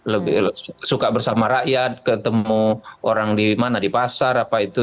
lebih suka bersama rakyat ketemu orang di mana di pasar apa itu